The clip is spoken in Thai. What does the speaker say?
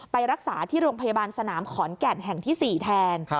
ไปรักษาที่โรงพยาบาลสนามขอนแก่นแห่งที่๔แทน